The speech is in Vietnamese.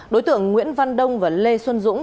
đối tượng nguyễn văn đông và lê xuân dũng